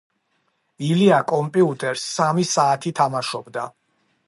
ილია კომპიუტერს სამი საათი თამაშობდა.